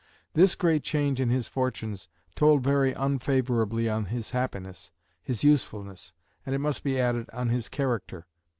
This great change in his fortunes told very unfavourably on his happiness, his usefulness, and, it must be added, on his character.